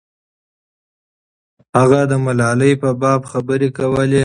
هغه د ملالۍ په باب خبرې کولې.